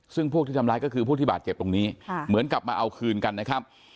ซึ่งพวกที่ทำร้ายก็คือพวกที่บาดเจ็บตรงนี้เหมือนกลับมาเอาคืนกันนะครับ